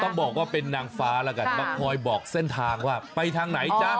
ต้องบอกว่าเป็นนางฟ้าแล้วกันมาคอยบอกเส้นทางว่าไปทางไหนจ๊ะ